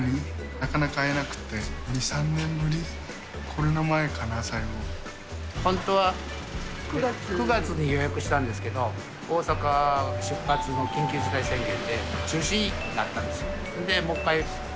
なかなか会えなくて、２、３年ぶ本当は９月に予約したんですけど、大阪発出の緊急事態宣言で、中止になったんです。